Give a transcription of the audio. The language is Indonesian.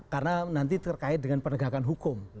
karena nanti terkait dengan penegakan hukum